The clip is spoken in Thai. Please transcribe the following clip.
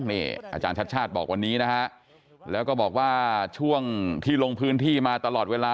นี่อาจารย์ชัดชาติบอกวันนี้นะฮะแล้วก็บอกว่าช่วงที่ลงพื้นที่มาตลอดเวลา